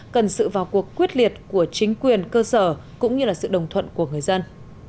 cần sự vào cuộc quyết liệt của chính quyền cơ sở cũng như sự đồng thuận của người dân